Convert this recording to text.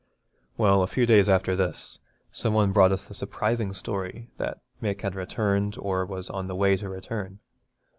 Well, a few days after this, some one brought us the surprising story that Mick had returned or was on the way to return.